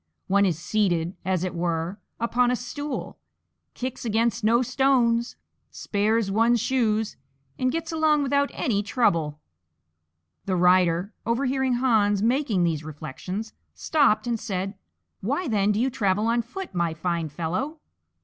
one is seated, as it were, upon a stool, kicks against no stones, spares one's shoes, and gets along without any trouble!" The Rider, overhearing Hans making these reflections, stopped and said, "Why, then, do you travel on foot, my fine fellow?"